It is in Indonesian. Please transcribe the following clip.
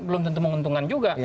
belum tentu menguntungkan juga